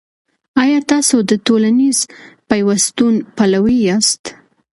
آيا تاسو د ټولنيز پيوستون پلوي ياست؟